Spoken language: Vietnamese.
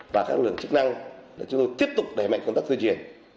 và các lượng chức năng để chúng tôi tiếp tục đẩy mạnh công tác thư diện